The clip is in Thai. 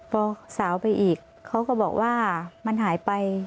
พอสาวไปอีกเขาก็บอกว่ามันหายไป